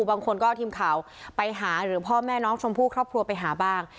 บางคนก็เอาทีมข่าวไปหาหรือพ่อแม่น้องชมพู่ครอบครัวไปหาบ้าง